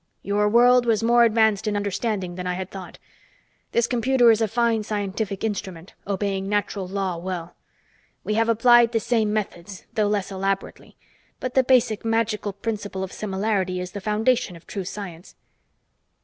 "Your world was more advanced in understanding than I had thought. This computer is a fine scientific instrument, obeying natural law well. We have applied the same methods, though less elaborately. But the basic magical principle of similarity is the foundation of true science."